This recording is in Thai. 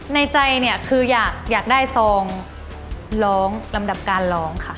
ในใจเนี่ยคืออยากได้ซองร้องลำดับการร้องค่ะ